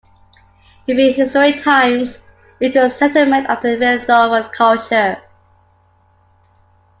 In Prehistoric times it was a settlement of the Villanovan Culture.